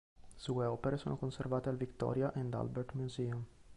Sue opere sono conservate al Victoria and Albert Museum.